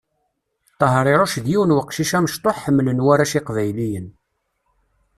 Tehriruc d yiwen weqcic amectuḥ ḥemlen warrac iqbayliyen.